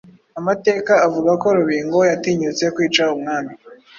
Amateka avuga ko Rubingo yatinyutse kwica umwami